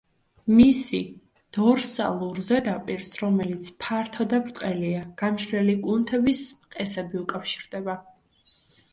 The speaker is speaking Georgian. მისი დორსალურ ზედაპირს, რომელიც ფართო და ბრტყელია, გამშლელი კუნთების მყესები უკავშირდება.